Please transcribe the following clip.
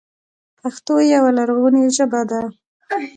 پښتو یوه لرغونې ژبه ده